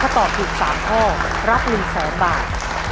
ถ้าตอบถูก๓ข้อรับ๑๐๐๐๐บาท